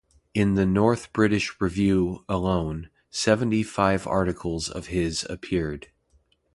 In the "North British Review" alone, seventy-five articles of his appeared.